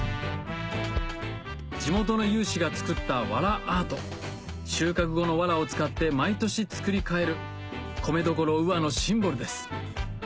地元の有志が作ったわらアート収穫後のわらを使って毎年作り替える米どころ宇和のシンボルです